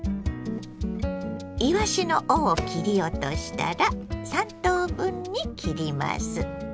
いわしの尾を切り落としたら３等分に切ります。